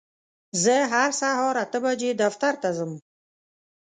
زه هر سهار اته بجې دفتر ته ځم.